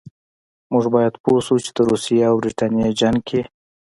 موږ باید پوه شو چې د روسیې او برټانیې جنګ کې.